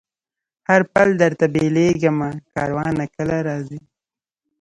هر پل درته بلېږمه کاروانه که راځې